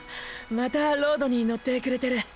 また自転車に乗ってくれてる。